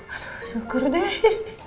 aduh syukur deh